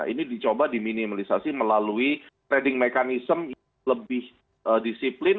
ini dicoba diminimalisasi melalui trading mechanism yang lebih disiplin